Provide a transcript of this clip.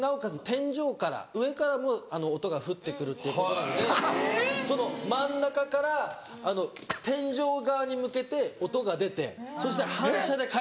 天井から上からも音が降ってくるっていうことなのでその真ん中から天井側に向けて音が出てそして反射で返ってくる。